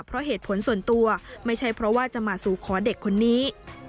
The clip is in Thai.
เพราะเหตุผลส่วนตัวไม่ใช่เพราะว่าจะมาสู่ขอเด็กคนนี้